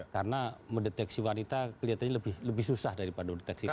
karena mendeteksi wanita kelihatannya lebih susah daripada mendeteksi wanita